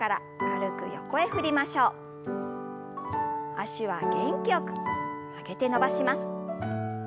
脚は元気よく曲げて伸ばします。